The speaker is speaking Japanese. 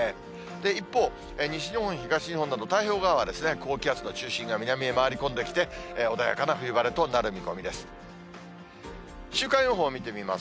一方、西日本、東日本など太平洋側は高気圧の中心が南へ回り込んできて、穏やかな冬晴れとなる見込みです。